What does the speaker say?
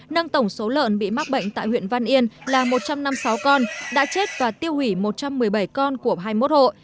nâng tổng số lợn bị mắc bệnh tại huyện văn yên là một trăm năm mươi sáu con đã chết và tiêu hủy một trăm một mươi bảy con của hai mươi một hộ